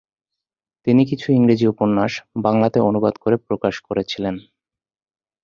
তিনি কিছু ইংরেজি উপন্যাস বাংলাতে অনুবাদ করে প্রকাশ করেছিলেন।